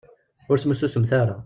Ur smussusemt ara.